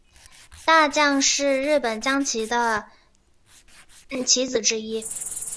大将是日本将棋的棋子之一。